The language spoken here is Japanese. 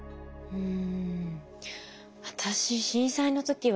うん。